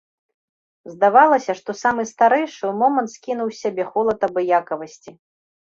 Здавалася, што самы старэйшы ў момант скінуў з сябе холад абыякавасці.